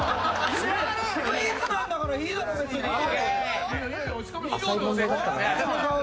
クイズなんだからいいだろ別に。